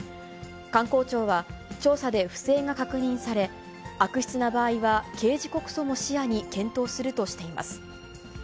観光庁は、調査で不正が確認され、悪質な場合は刑事告訴も視野に検討するとしています。